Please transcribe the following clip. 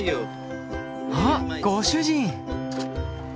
あっご主人！